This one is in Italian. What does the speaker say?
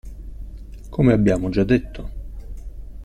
Come abbiamo già detto.